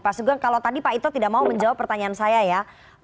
pak sugeng kalau tadi pak ito tidak mau menjawab pertanyaan saya ya